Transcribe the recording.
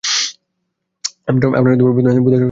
আপনার বোধশক্তির দোষ দেওয়া যায় না।